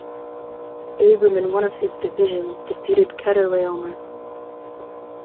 Abram and one of his divisions defeated Chedorlaomer.